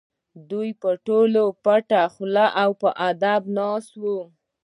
دوی به ټول پټه خوله او په ادب ناست وو.